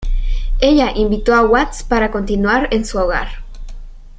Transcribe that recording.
Ella invitó a Watts para continuar en su hogar.